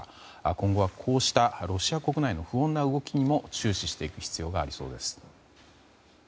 今後は、こうしたロシア国内の不穏な動きにも注視していく必要がありそうです。